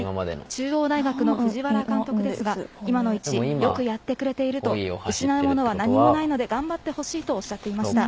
中央大学の藤原監督ですが今の位置よくやってくれていると失うものは何もないので頑張ってほしいとおっしゃっていました。